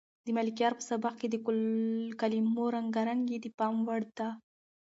د ملکیار په سبک کې د کلمو رنګارنګي د پام وړ ده.